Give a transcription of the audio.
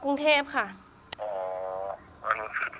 คุณพ่อได้จดหมายมาที่บ้าน